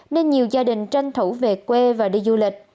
nên nhiều gia đình tranh thủ về quê và đi du lịch